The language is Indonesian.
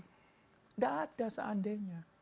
tidak ada seandainya